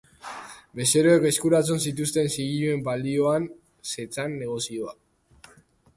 Bezeroek eskuratzen zituzten zigiluen balioan zetzan negozioa.